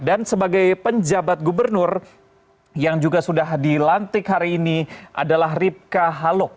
dan sebagai penjabat gubernur yang juga sudah dilantik hari ini adalah ripka haluk